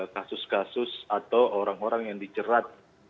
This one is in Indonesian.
kasus kasus atau orang orang yang dicerat